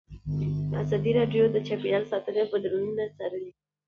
ازادي راډیو د چاپیریال ساتنه بدلونونه څارلي.